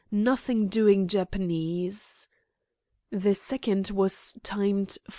Nothing doing Japanese." The second was timed 4.